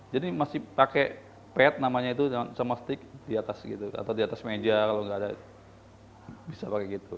jadi masih pakai pad namanya itu sama stick di atas gitu atau di atas meja kalau nggak ada bisa pakai gitu